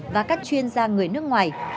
và các chuyên gia người nước ngoài